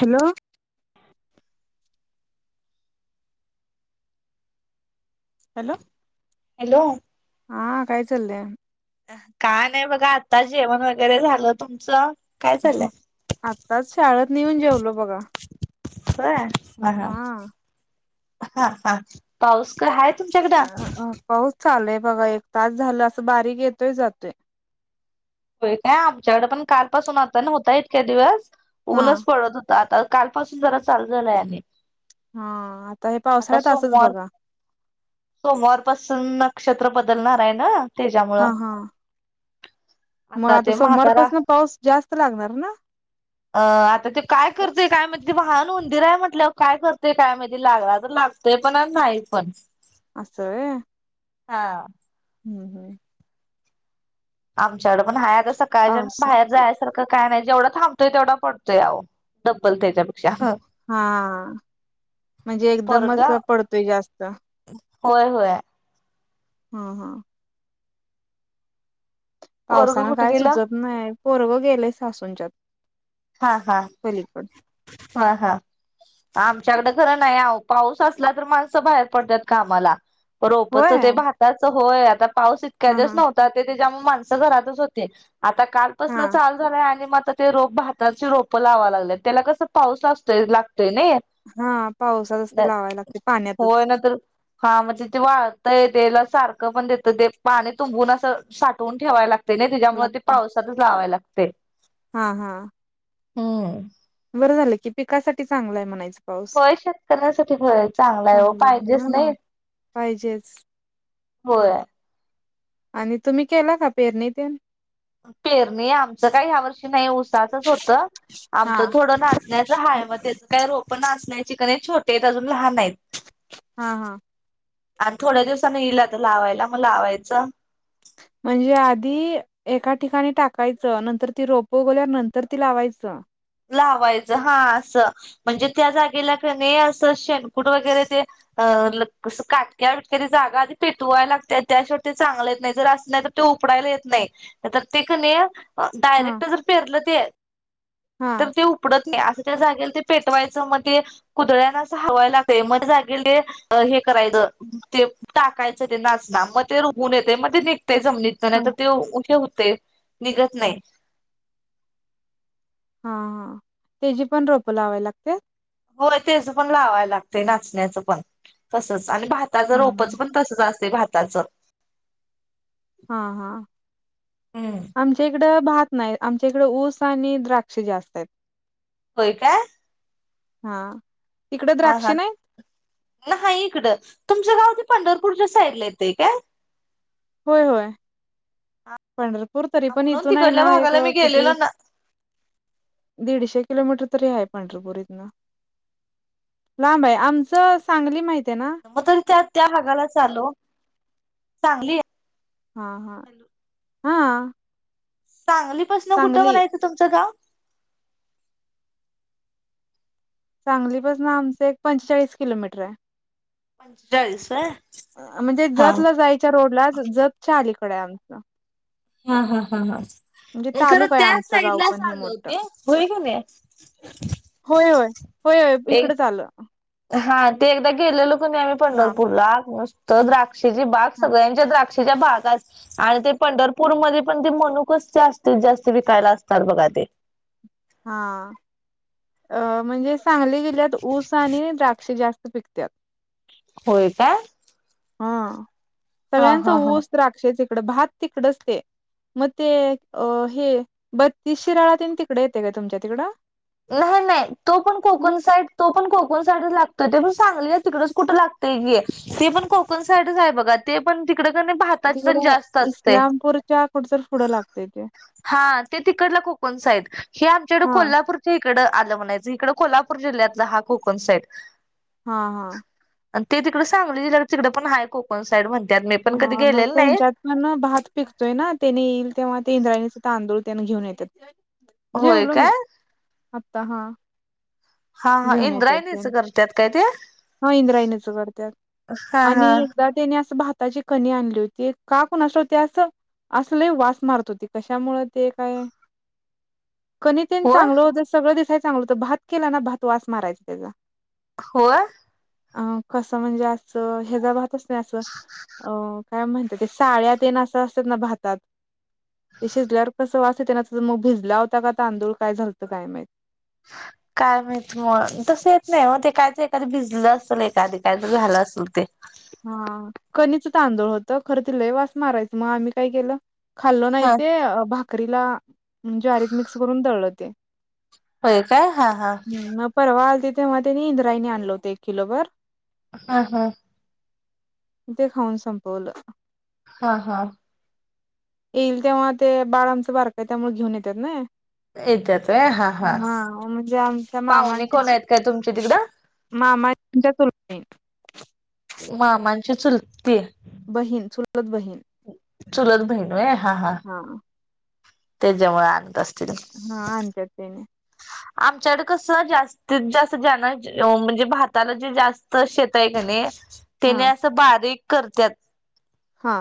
Hello. Hello. Hello. हा काय चाललंय. का नाही बघा आता जेवण वगैरे झालं तुमचं. काय चाललंय आताच शाळेत नेऊन जेवलो बघा. होय हा हा ह हा. पाऊस का हाय तुमच्याकडं. पाऊस चालय बघा एक तास झालं असं बारीक येतोय जातोय. हो काय आमच्याकडे पण काल पासून आता होता इतक्या दिवस हा ऊनच पडत हो. आता कालपासून जरा चाललेलं आहे. हा आता हे पावसाळ्यात असच सोमवार बघा. सोमवारपासून नक्षत्र बदलणार आहे ना हा त्याच्यामुळं. हा मग आता ते म्हातारा सोमारपासून पाऊस जास्त लागणार ना. अ आता ते काय करतेय काय म्ह ते वाहन उुंदीरय म्हटलं काय करतेय काय म्ह लागला तर लाग. ते पण नाही पण. असस हा हम्म हम्म. आमच्याकड पण हाय आता सकाळच्याण पाऊस बाहेर जायचं. काय नाही जेवढा थबोय तेवढा पडोय ब्बल त्याच्या. हा म्हणजे पोरग एकदमच पडतोय जास्त. होय होय. हा हा. पोरग पावसान कुठे काय गेलं? सुजत नाही पोरवं गेले सासूंच्यात. हा हा पलीकड हा हा. आमच्याकडे खरं नाही पाऊस असला तर माणसं बाहेर पडतात कामाला रोपच होय ते भाताचं होय आता पाऊस इतक्या हा दिवस हा नव्हता त्याच्यामुळे माणस घरातच होते आता कालपासून हा चाल झालाय आणि म आ ते रोगह ची रोपं लावा लागले त्याला कसं पाऊस लातोय लागतोय नाही हा पावसातच ते लावाय लागते होय पाण्यातच ना तर हा म्हणजे ते वाळतय तेला सारखं पण देतं ते पाणी तुंबून असं साठवून ठेवाय लागत नाही त्याच्यामुळे ते लागत पावसातच लावाय लागते हा हा हम्म बरं झालं की पिकासाठी चांगलं आहे म्हणायचं होय शेतकऱ्यांसाठी भय चांगला आहे पाहिजेच नाही पाहिजेच होय आणि तुम्ही केला का पेरणीतन पेरणी आमचं काही ह्या वर्षी नाही उसाचच होत हा आमचं थोडं नाचण्याचं आहेय मग त्याच काय रो पण असचण्याची क नाही छोटे आहेत अजून लहान आहेत हा हां आणि थोड्या दिवसाांनी येईल आ लावायला मग लावायचं म्हणजे आधी एका ठिकाणी टाकायचं नंतर ती रोपो गेल्यावर नंतर ती लावायचं लावायचं हा असं म्हणजे त्या जागेला क असं शेणकूट वगैरे ते काटक्या विटक्यारी जागा आधी फेटवायला लागते त्याशिय ते चांगलेच नाही जर असणार ते उकडायला येत नाही तर ते क हा डायरेक्ट जर पेरलं ते हा तर ते उकडत नाही असं त्या जागेला ते पेटवायचं मग ते ुदळ्याना अस हवायला लागत मध्ये जागेले हे करायचं ते टाकायचं ते नाचना मग ते उगून येते मग ते निघते जमनीत हा नाही तर ते उत्तय होते निघत नाही हा हा तेची पण रोपं लावाय लागत्यात. हो त्याच पण लावायला लागतंय नाचण्याचं पण तसच आणि भाताच हा हा रोपच पण तसच असते भाताचं हा हा हम्म. आ आमच्या इकडं भात नाहीत आमच्या इकडे ऊस आणि द्राक्ष जास्त आहेत. होय काय हा तिकड हा द्राक्ष हा नाही? नाही इकडं तुमचं गाव ते पंढरपूरच्या साईड ला येते काय? होय होय पंढरपूर तरी पण म्हणून इथून आहे तिकडल्या ना एक भागाला मी किती गेलेलो ना दीडशे किलोमीटर तरी आहे पंढरपूर इथनं लांब ये आमचं सांगली माहित आहे ना. मग तरी त्या त्या भागाला चालू चांगली आहे - हा हा हा चांगलीपसन कुठं सांगली म्हणायचं तुमचं गाव सांगलीपासून आमचं एक पंचेचाळीस किलोमीटर आहे. पंचेचाळीस होय म्हणजे हा जत ल जायच्या रोडला जतच्या अलीकड आमच - हा हा हा हा म्हणजे खरं तालुका आहे त्या आमचं साईड गाव लाच पण हे आल मोठं होते होय का नाही होय होय होय होय एक इकडंच आलं हा ते एकदा गेलेलोक नाही आम्ही हा पंढरपूर ला नुसतं द्राक्षेची बाग हा सगळ्यांच्या द्राक्ष च्या बागाच - आणि ते पंढरपूरमध्येध्ये पण ते मनुकच जास्तीत जास्ती विकायला असतात बघा ते हा अ म्हणजे सांगली जिल्ह्यात ऊस आणि द्राक्ष जास्त पिकत्यात. होय का हा हा सगळ्यांचं हा हा ऊस द्राक्ष तिकडं भात तिकडच ते मग ते अ हे बत्तीस शिराळा त्यांनी तिकडे येते काय तुमच्या तिकडं? नाही नाही तो पण कोकण साईड तो पण कोकण साईडच लागतोय ते पण चांगली आहे तिकडच कुठं लागतं की. ते पण कोकण साईडच आहे बघा ते पण तिकडे का नई भात तिकडं इस्लामपूरच्या कुडतरी पुढं लागतय ते हा ते तिकडला कोकण साईड हे आमच्याकड हा कोल्हापूर इकडं आलं म्हणायचं इकडडे कोल्हापूर जिल्ह्यातला हा कोकण साईट हा हा आणि तेी तिकडं सांगली जिडे तिकडे पण हाय कोकण साईड म्हणतात मी पण कधी हा मग गेलेलं नाही त्यांच्यात भात पिकतोय ना त्यानी येईल तेव्हा ते इंद्रायणीचे तांदूळ त्यांने घेऊन येतात. होय जेवलो मी काय आत्ता हा हा हा इंद्रायणीच करतात काय ते? ह इंद्रायणीच करत्यात हा हा आणि त्यात तेनी असं भाताची कणी आणली होतीत, का कोणास ठाऊक ते असं अस लई वास मारत होती कशामुळे ते काय कनि तेन होय चांगलं होतं, सगळं दिसाय चांगलं होतं, भात केला ना भात वास मारायचा तेजा [unintelligible] होय. अ कसं म्हणजे असं, हेजा भात असतंय असं अ काय म्हणत्या ते साळ्या तेन असं असत्यात ना भातात ते शिजल्यावर कसं वास येतंय ना, मग भिजला होता का तांदूळ काय झालतं काय माहित [inaudible] काय माहित म तसं येत नाही ओ ते काय ते एखादं भिजलं असेल एखाद काय तर झालं असल ते हा कनिच तांदूळ होत खरं ते लय वास मारायचं, म आम्ही काय केलं खाल्लो नाई हा ते अ भाकरीला ज्वारीत मिक्स करून दळलं ते होय काय? हा हा हं, मग परवा आलती तेव्हा तेनी इंद्रायनी आणलं होत एक किलो बर हा हा. ते खाऊन संपवलं. हा हा. येईल तेव्हा ते बाळ आमचं बारकाय त्यामुळ घिऊन येत्यात नई हा म्हणजे आमच्या पाहुणे मामांची कोण चू आहेत काय तुमच्या तिकडं? मामांच्या [unintelligible] मामांची चुलती बहीण चुलत बहीण चुलत बहिण ओय हा हा हा. त्याच्यामुळ आणत असतीलि हा आणत्यात त्याने आमच्याकड कस जास् तीत जास् जाना ज अ म्हणजे भाताला जे जास्त शेत आय कणी हा तेनी असं बारीक करत्यात हा.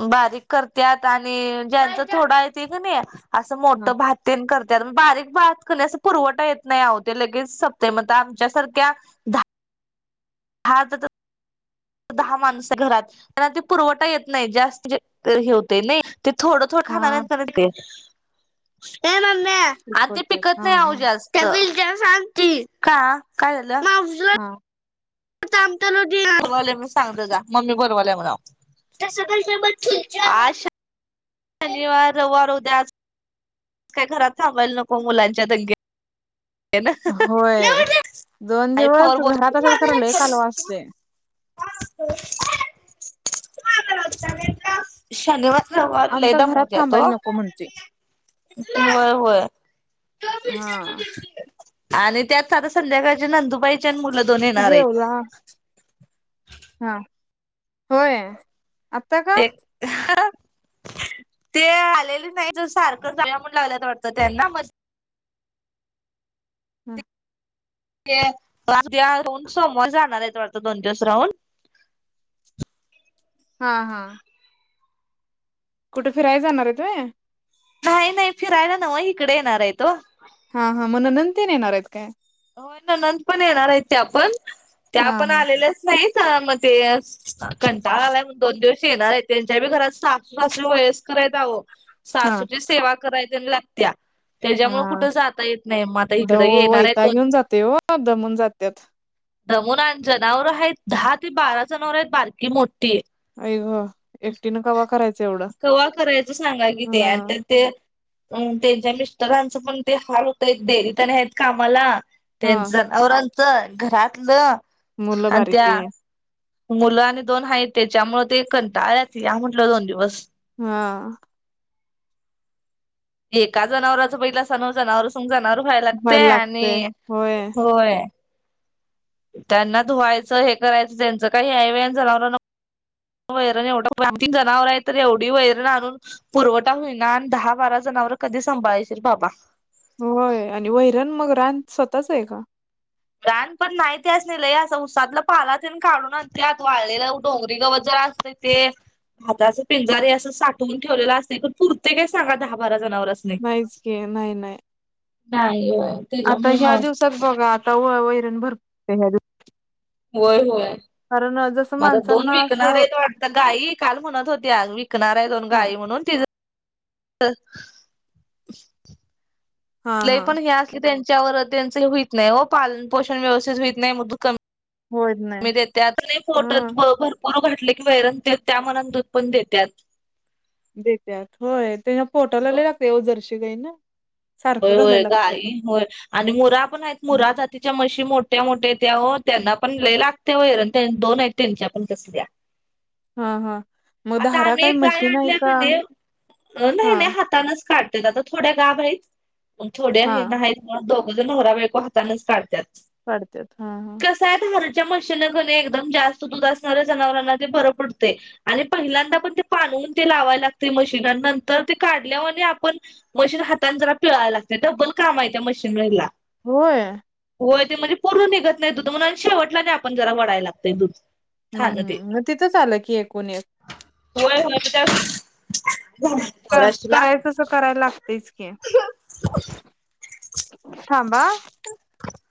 उ बारीक करत्यात आणि ज्यांच थोडं हाय ते कणी असं मोठ हा भात तेन करत्यात म बारीक भात कणी अस पुरवठा येत नाही अवो ते लगेच सपतय मग ता आमच्यासारख्या धा [unintelligible] दहा माणस घरात त्यांना ते पुरवठा येत नई, जास्त जे हे हुतंय नई ते थोडं [unintelligible] खाणा हा [unintelligible] ते, ये मम्मे आणी ते शिकवत्यात पिकत हा नाही अवो हा जास्त, त्या [unintelligible] सांग की, का काय झालं? [unintelligible] हा. [unintelligible] सांग जा जा, मम्मी बोलवाल्या म्हणाव [unintelligible] आज शा शनिवार रववार उद्या आज काय घरात थांबायला नको मुलांच्या दंग्या होय दोन आई फोनवर दिवस घरात असत्यात खरं लय कालवा असतोय [unintelligible] शनिवा रववारी लई आमचा घरात दमवत्यात ओ थांबायला नको म्हणतोय वय व्हय हा [unintelligible] आणि त्यात [unintelligible] संध्याकाळच्याला नंदुबाईची आणि मुलं दोन येणार आईत. आ हा होय, आता का? ते ते आलेली नाहीत ओ सारखं जाऊया म्हणून लागल्यात वाटतं त्यांना म हा. [unintelligible] सोमवारी जाणार आईत वाडत दोन दिवस राहून हा हा. कुठे फिरायला जाणार आहे तु नाही नाही फिरायला ना म इकडे येणार आहे तो हा हा मण नंत न येणार आहेत काय हो न नंद पण येणार आहेत ते आपण ते हा आपण हा आलेल्याच नाहीत म ते कंटाळालाय दोन दिवस येणार आहे त्यांच्या बी घरात साासू सासर वयस्कर आहेतहो हा सासूची सेवा करायची लात्या त्याच्यामुळे हा कुठं जाता येत नाही मग आता इकडं येणार आहे तो जाते हो दमून जातात दमून जनावरं आहेत दहा ते बारा जनावर आहेत बारकी मोठी आहेत ऐ ग एकटीन गवा करायचं एवढं ते करायच सांगा कि ते हा ते अ त्यांच्या मिस्टरांचं पण ते हार होतय डेरीतने आहेत कामाला हा त्यांचन औरणच घरातलं मुलं आणि त्या बारकी मुलं आणि दोन हा त्याच्यामुळ ते कंटा आळत या म्हटलं दोन दिवस हा एका जनावरराच पहिलासा नऊ जनावर संग जनावर व्हायला लागते लागतंय आणि होय होय त्यांना धुवायचं हे करायचं त्यांचं काही आऐवन झा वैरण एवढं जनावर आहे तर एवढी वैरण आणून पुरवठा होईलना आणि दहा बारा जनावर कधी सांभाळशील बाबा होय आणि वहिरण मग रान स्वतःच आहे का प्रण पण नाही ते असलेलंय असं उसातलं पाला ते काढून आण आत वाळलेलं डोंगरी गवत जरा असते ते हाताच पिंजारे असं साठवून ठेवलेलं असते पण पुरते का सांगा दहा बारा जनावर अस नाहीच घी नाही नाही नाही आता ह्या त्याच्यामुळं दिवसात बघा आता वैरण भरपू ह्या दिव होय होय अ, जसं मला दोन माणसांना विकणार असं आहेत वाट आता गाय विकाल म्हणत होती विकणार आहे दोन हा गाय म्हणून ति हा हा पण हे अस त्यांच्यावर त्यांच होत नाही व पालन पोषण व्यवस्थित होत नाही होयच नाही मी देते आता फोट हा ब भरपूर पर घटले की वैरण ते त्या मनात दूध पण देतात देतत होय त्यांना पोटाला ल लागते येव जरशी गई ना होय सारखं घालायला होय लागतंय काई होय आणि मुरा पण आहेत मुरा जातीच्या मशी मोठ्या मोठ्या त्या त्यांना पण ल लागत त्या वैर दोन ऐट्यांची आपण कसली हा हा मग आता आम्ही दारातही एक गाय मशीन आहे आणल्या का कणी नाही नाही हा नाही हातानच काढत आता थोड्या गा बाई पण थोड्या हे हा नाही दोघं ज नहरा बाळको हातानेच काढतात पडतेात हा हा कस आहे हरच्या मशनं घणे एकदम जास्त दूध असणाऱ्या जनावरांना ते भर पडते आणि पहिल्यांदा पण ते पानवून ते लावाय लागते मशीिना नंतर ते काढल्यावर आपण मशीन हातात जरा पिळावं लागत ब्बल काम आहे त्या मशीनवरला होय होय ते म्हणजे पोरून निघत नाही दुधणून शेवटला नाही आपण जरा वडाला लागतय दूध हम्म हम् मग तिथंच आलं कि एकूण एक हो आहे होणापठ करायच असं करायला लागतच की थांबा ट